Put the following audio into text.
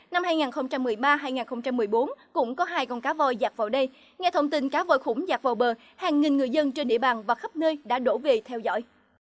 năm hai nghìn một mươi ba hai nghìn một mươi bốn cũng có hai con cá voi giặt vào đây nghe thông tin cá voi khủng giạt vào bờ hàng nghìn người dân trên địa bàn và khắp nơi đã đổ về theo dõi